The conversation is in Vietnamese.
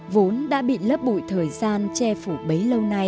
vốn đã bị lớp bụi thời gian che phủ bấy lâu nay